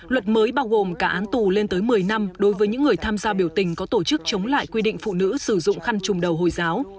luật mới bao gồm cả án tù lên tới một mươi năm đối với những người tham gia biểu tình có tổ chức chống lại quy định phụ nữ sử dụng khăn trùm đầu hồi giáo